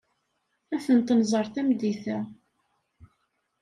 Ad tent-nẓer tameddit-a.